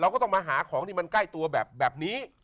ก็ต้องมาหาของที่มันใกล้ตัวแบบนี้